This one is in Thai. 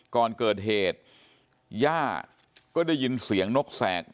ก่อนเกิดเหตุย่าก็ได้ยินเสียงนกแสก